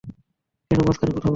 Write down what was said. কেন মাঝখানে কথা বলছো?